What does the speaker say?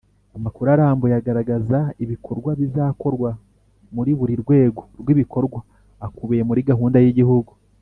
Amakuru arambuye agaragaza ibikorwa bizakorwa muri buri rwego rw ibikorwa akubiye muri gahunda y igihugu